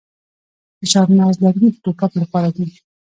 د چهارمغز لرګي د ټوپک لپاره دي.